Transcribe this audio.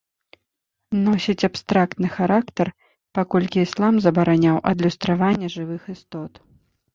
Носіць абстрактны характар, паколькі іслам забараняў адлюстраванне жывых істот.